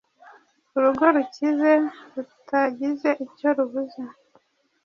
Urugo rukize, rutagize icyo rubuze;